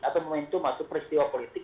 atau momentum atau peristiwa politik